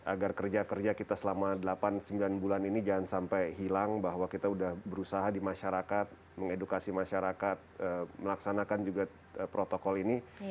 agar kerja kerja kita selama delapan sembilan bulan ini jangan sampai hilang bahwa kita sudah berusaha di masyarakat mengedukasi masyarakat melaksanakan juga protokol ini